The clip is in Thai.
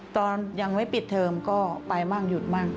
ตอนยังไม่ปิดเทอมก็ไปมั่งหยุดมั่ง